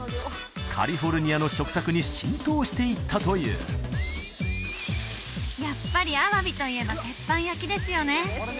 カリフォルニアの食卓に浸透していったというやっぱりアワビといえば鉄板焼きですよね